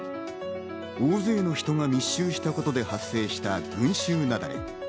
大勢の人が密集したことで発生した群集雪崩。